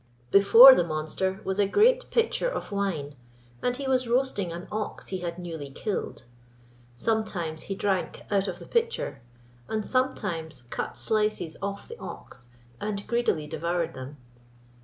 Before the monster was a great pitcher of wine, and he was roasting an ox he had newly killed. Sometimes he drank out of the pitcher, and sometimes cut slices off the ox and greedily devoured them.